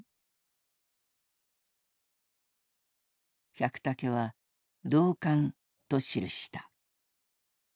百武は「同感」と記した。